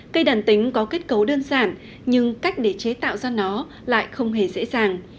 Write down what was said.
cây đàn tính có kết cấu đơn giản nhưng cách để chế tạo ra nó lại không hề dễ dàng